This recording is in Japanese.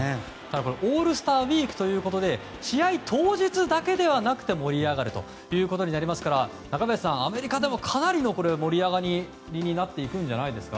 オールスターウィークということで試合当日だけではなくても盛り上がるということになりますから中林さん、アメリカでもかなりの盛り上がりになっていくんじゃないですか？